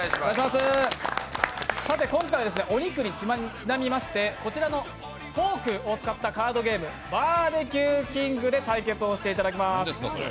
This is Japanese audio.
今回、お肉にちなみましてこちらのフォークを使ったカードゲーム、「バーベキューキング」で対決をしていただきます。